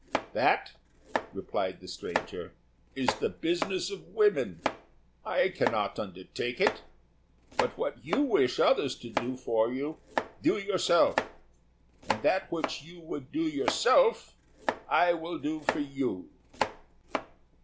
"That," replied the stranger, "is the business of women; I cannot undertake it. But what you wish others to do for you, do yourself; and that which you would do yourself, I will do for you."